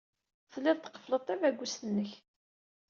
Telliḍ tqeffleḍ tabagust-nnek.